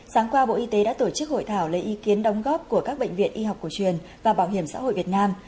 sáng qua bộ y tế đã tổ chức hội thảo lấy ý kiến đóng góp của các bệnh viện y học cổ truyền và bảo hiểm xã hội việt nam